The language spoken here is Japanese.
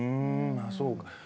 ああそうか。